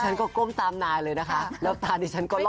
ฉันก็ก้มตามนายเลยนะคะแล้วตาดิฉันก็รอด